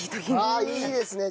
ああいいですね。